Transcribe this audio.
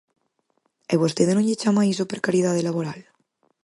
¿E vostede non lle chama a iso precariedade laboral?